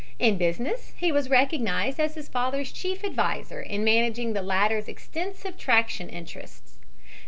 In business he was recognized as his father's chief adviser in managing the latter's extensive traction interests.